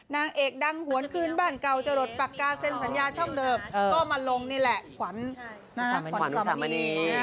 นางเอกดังหวนคืนบ้านเก่าจะหลดปากกาเซ็นสัญญาช่องเดิมก็มาลงนี่แหละขวัญขวัญมี